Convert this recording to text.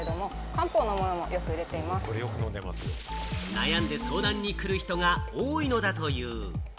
悩んで相談に来る人が多いのだという。